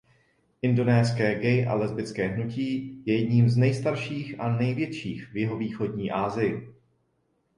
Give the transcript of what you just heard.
Indonéské gay a lesbické hnutí je jedním z nejstarších a největších v Jihovýchodní Asii.